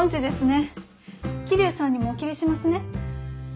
桐生さんにもお切りしますね。